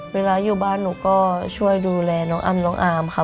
อยู่บ้านหนูก็ช่วยดูแลน้องอ้ำน้องอามค่ะ